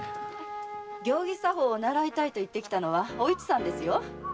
行儀作法を習いたいと言ってきたのはおいちさんです。